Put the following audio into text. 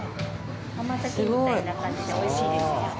甘酒みたいな感じでおいしいですよ。